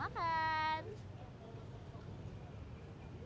kita coba ini ya seperti apa sih rasanya